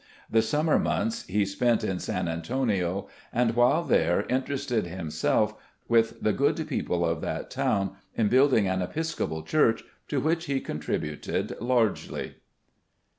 The summer months he spent in San Antonio, and while there interested himself with the good people of that town in building an Episcopal church, to which he contributed largely.